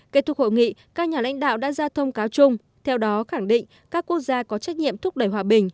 kết thúc hội nghị các nhà lãnh đạo đã ra thông cáo chung theo đó khẳng định các quốc gia có trách nhiệm thúc đẩy hòa bình